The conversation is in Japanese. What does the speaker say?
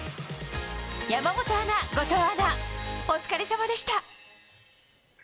山本アナ、後藤アナお疲れさまでした！